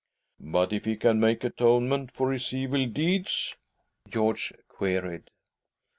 " But if he can make atonement for his evil deeds? " George queried.